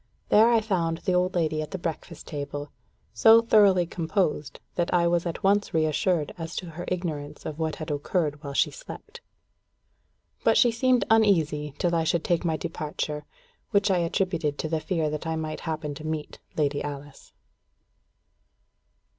There I found the old lady at the breakfast table, so thoroughly composed, that I was at once reassured as to her ignorance of what had occurred while she slept. But she seemed uneasy till I should take my departure, which I attributed to the fear that I might happen to meet Lady Alice.